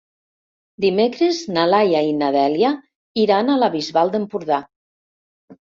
Dimecres na Laia i na Dèlia iran a la Bisbal d'Empordà.